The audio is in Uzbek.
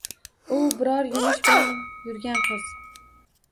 U biror yumush bilan yurgan qiz